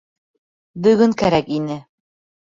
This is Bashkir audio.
Бөгөн кәрәк ине.